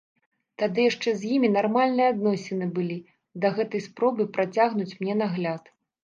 Тады яшчэ з імі нармальныя адносіны былі, да гэтай спробы працягнуць мне нагляд.